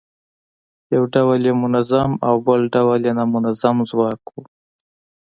یو ډول یې منظم او بل ډول یې نامنظم ځواک و.